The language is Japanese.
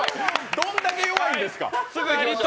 どんだけ弱いんですか？